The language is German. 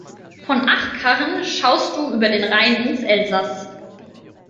Von Achkarren schaust du über den Rhein ins Elsass.